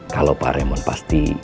kalau pak raymond pasti